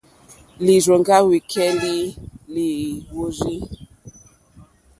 Lírzòŋgá líkpéélì wêhwórzí.